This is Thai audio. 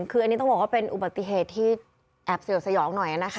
คืออันนี้ต้องบอกว่าเป็นอุบัติเหตุที่แอบเสื่อยวสยองหน่อยนะคะ